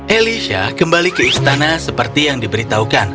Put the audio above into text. elisha kembali ke istana seperti yang diberitahukan